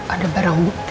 ada barang bukti